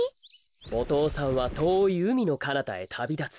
お父さんはとおいうみのかなたへたびだつ。